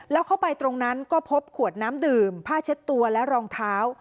แล้วเข้าไปตรงนั้นก็พบขวดน้ำดื่มผ้าเช็ดตัวและรองเท้า